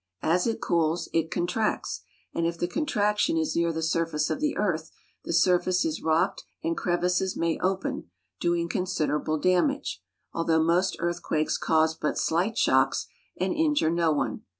As it cools, it contracts, and if the contraction is near the surface of the earth, the surface is rocked and crevices may open, doing considerable damage, although most earthquakes cause but slight shocks and injure no one.